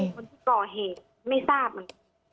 บางคนที่เกาะเหตุไม่ทราบมัน